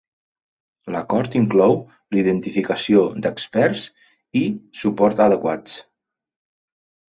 L'acord inclou la identificació d'experts i suport adequats.